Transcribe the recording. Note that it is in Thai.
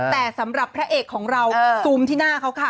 แต่สำหรับพระเอกของเราซูมที่หน้าเขาค่ะ